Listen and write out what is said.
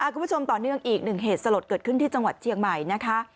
คุณผู้ชมต่อเนื่องอีกหนึ่งเหตุสลดเกิดขึ้นที่จังหวัดเชียงใหม่นะคะ